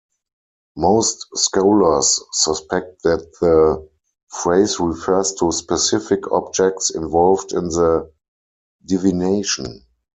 Most scholars suspect that the phrase refers to specific objects involved in the divination.